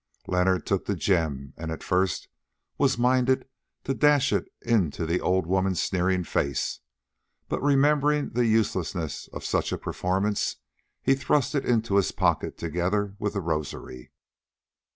Leonard took the gem and at first was minded to dash it into the old woman's sneering face, but remembering the uselessness of such a performance, he thrust it into his pocket together with the rosary.